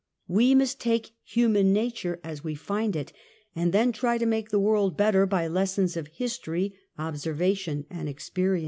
AVe must take human nature as we find it, and then try to make the world better by lessons of his tory, observation and experience.